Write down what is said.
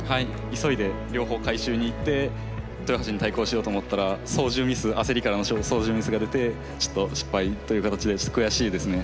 急いで両方回収に行って豊橋に対抗しようと思ったら操縦ミス焦りからの操縦ミスが出てちょっと失敗という形でちょっと悔しいですね。